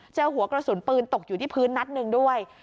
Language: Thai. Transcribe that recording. เจอหัวกระสุนปืนตกอยู่ที่พื้นนัดหนึ่งด้วย